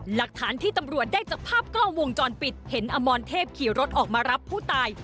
หลักฐานที่ตำรวจได้จากภาพกล้องวงจรปิดเห็นอมรเทพขี่รถออกมารับผู้ตาย